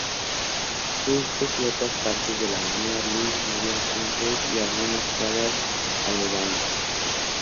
Justo, ciertas partes de la Avenida Luis María Campos y algunas cuadras aledañas.